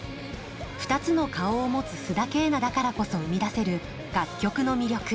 ２つの顔を持つ須田景凪だからこそ生み出せる楽曲の魅力。